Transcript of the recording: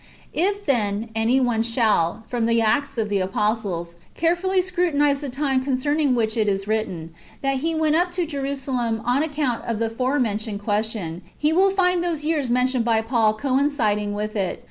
If, then, any one shall, from the Acts of the Apostles, carefully scrutinize the time concerning which it is written that he went up to Jerusalem on account of the forementioned question, he will find those years mentioned by Paul coinciding with it.